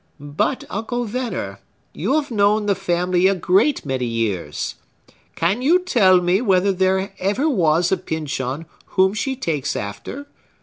"But, Uncle Venner, you have known the family a great many years. Can you tell me whether there ever was a Pyncheon whom she takes after?"